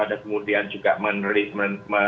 ada kemudian juga meneriti